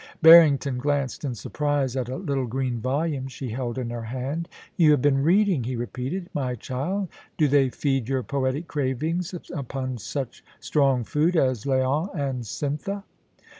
Barrington glanced in surprise at a little green volume she held in her hand. ' You have been reading !* he repeated * My child, do they feed your poetic cravings upon such strong food as "LaonandCythna"?